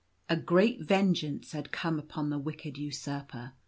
A great vengeance had come upon the wicked usurper.